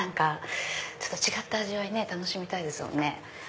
違った味わい楽しみたいですよね。